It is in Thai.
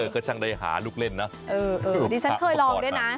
ก็ช้างได้หาลูกเล่นนะ